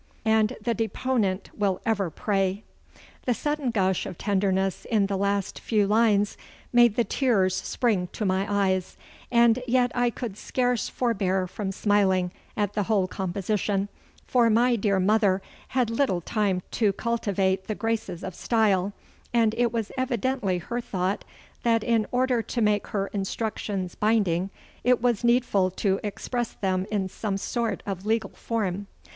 'And the deponent will ever pray.' The sudden gush of tenderness in the last few lines made the tears spring to my eyes, and yet I could scarce forbear from smiling at the whole composition, for my dear mother had little time to cultivate the graces of style, and it was evidently her thought that in order to make her instructions binding it was needful to express them in some sort of legal form.